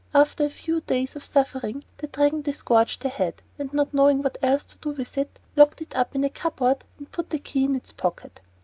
After a few days of suffering the Dragon disgorged the head, and, not knowing what else to do with it, locked it up in a cupboard and put the key in its pocket.